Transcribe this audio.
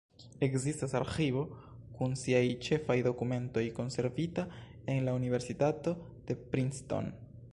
Ekzistas arĥivo kun siaj ĉefaj dokumentoj konservita en la Universitato de Princeton.